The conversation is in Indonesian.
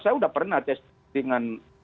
saya sudah pernah testingan